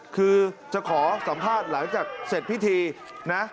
คือจะขอสัมภาษณ์หลังจากเสร็จพิธีนะ